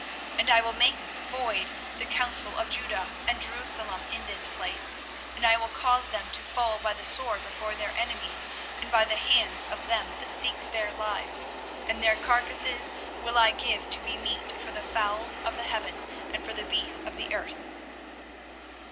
24:019:007 And I will make void the counsel of Judah and Jerusalem in this place; and I will cause them to fall by the sword before their enemies, and by the hands of them that seek their lives: and their carcases will I give to be meat for the fowls of the heaven, and for the beasts of the earth.